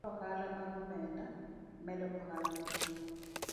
mar ohala mag omenda, medo ohala mar ji,